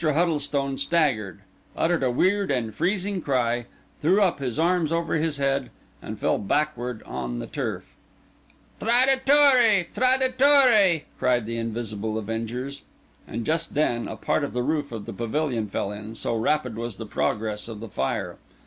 Huddlestone staggered, uttered a weird and freezing cry, threw up his arms over his head, and fell backward on the turf. "Traditore! Traditore!" cried the invisible avengers. And just then, a part of the roof of the pavilion fell in, so rapid was the progress of the fire.